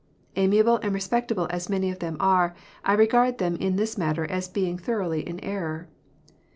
Amiable and respectable as many of them are, I regard them in this matter as being thoroughly in error.